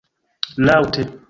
laŭte